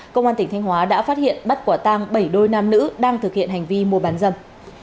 công an tỉnh thanh hóa đã phát hiện bắt quả tang bảy đôi nam nữ đang thực hiện hành vi mua bán dâm